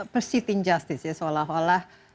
persepti keadilan seolah olah